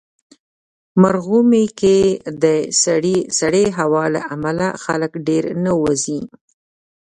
مرغومی کې د سړې هوا له امله خلک ډېر نه وځي.